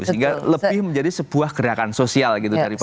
sehingga lebih menjadi sebuah gerakan sosial gitu daripada